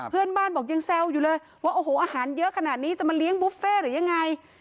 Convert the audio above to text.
เพื่อนบ้านบอกยังแซวอยู่เลยว่าโอ้โหอาหารเยอะขนาดนี้จะมาเลี้ยงบุฟเฟ่หรือยังไง